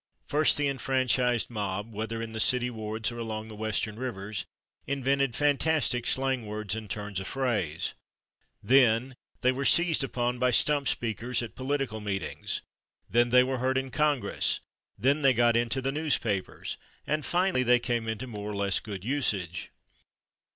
First the enfranchised mob, whether in the city wards or along the western rivers, invented fantastic slang words and turns of phrase; then they were "seized upon by stump speakers at political meetings"; then they were heard in Congress; then they got into the newspapers; and finally they came into more or less good usage.